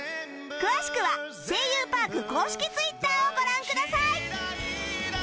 詳しくは『声優パーク』公式 Ｔｗｉｔｔｅｒ をご覧ください